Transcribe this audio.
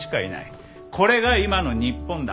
これが今の日本だ。